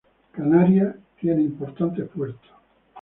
Canarias tiene importantes puertos.